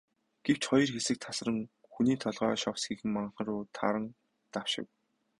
Гэвч хоёр хэсэг тасран, хүний толгой шовсхийсэн манхан руу таран давшив.